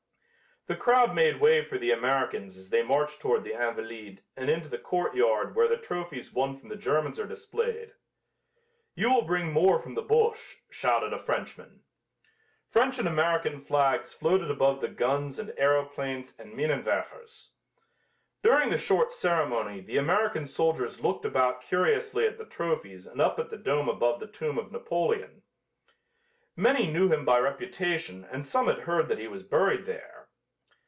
The crowd made way for the Americans as they marched toward the "Invalides" and into the court yard where the trophies won from the Germans are displayed. "You will bring more from the Boche," shouted a Frenchman. French and American flags floated above the guns and aeroplanes and minenwerfers. During the short ceremony the American soldiers looked about curiously at the trophies and up at the dome above the tomb of Napoleon. Many knew him by reputation and some had heard that he was buried there.